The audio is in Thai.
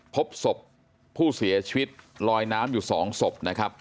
พบสบผู้เสียชีวิตลอยน้ำอยู่๒สบ